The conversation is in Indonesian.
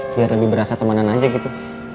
biar lebih berasa temanan aja gitu